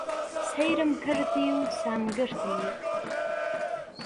سەیرم کردی و سام گرتمی.